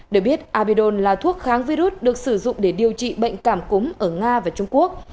được biết abidol là thuốc kháng virus được sử dụng để điều trị bệnh cảm cúng ở nga và trung quốc